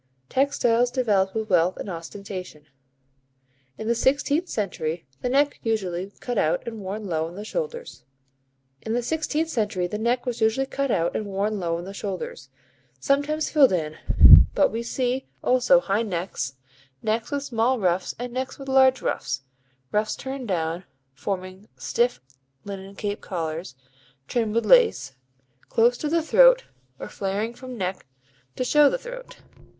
Textiles developed with wealth and ostentation. In the sixteenth century the neck was usually cut out and worn low on the shoulders, sometimes filled in, but we see also high necks; necks with small ruffs and necks with large ruffs; ruffs turned down, forming stiff linen cape collars, trimmed with lace, close to the throat or flaring from neck to show the throat.